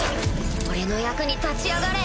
俺の役に立ちやがれ！